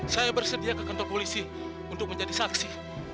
saya bersedia ke kantor polisi untuk menjadi saksi